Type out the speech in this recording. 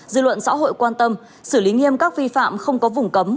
dư luận xã hội quan tâm xử lý nghiêm các vi phạm không có vùng cấm